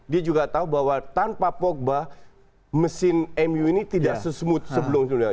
dia juga tahu bahwa tanpa pogba mesin mu ini tidak se smooth sebelumnya